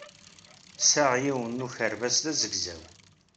Sɛiɣ yiwen n ukerbas d azegzaw.